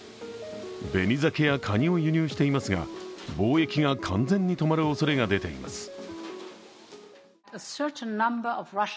紅ザケやカニを輸入していますが、貿易が完全に止まるおそれが出ています。